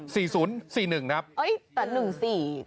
แต่หนึ่งสี่